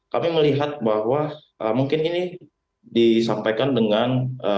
kami melihat bahwa mungkin ini disampaikan dengan